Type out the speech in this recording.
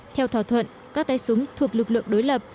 theo thỏa thuận các tay súng thuộc lực lượng đối lập